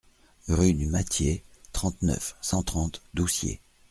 Rue du Mattier, trente-neuf, cent trente Doucier